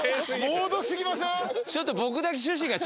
モード過ぎません？